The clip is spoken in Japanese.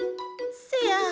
せや。